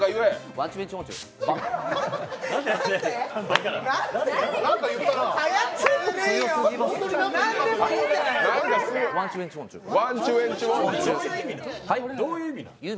ワンチュウェンチュウォンチュー。